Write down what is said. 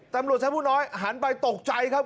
ตำรวจชั้นผู้น้อยหันไปตกใจครับ